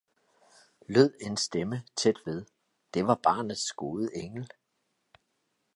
lød en stemme tæt ved, det var barnets gode engel.